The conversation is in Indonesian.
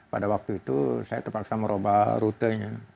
pada waktu itu saya terpaksa merubah rutenya